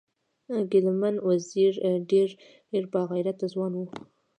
ګلمن وزیر ډیر با غیرته ځوان و